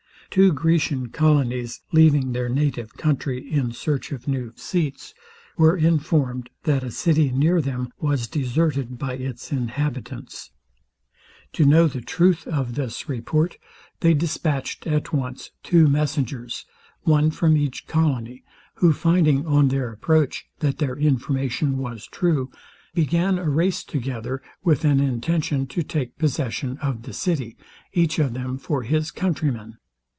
Two Grecian colonies, leaving their native country, in search of new feats, were informed that a city near them was deserted by its inhabitants. To know the truth of this report, they dispatched at once two messengers, one from each colony; who finding on their approach, that their information was true, begun a race together with an intention to take possession of the city, each of them for his countrymen.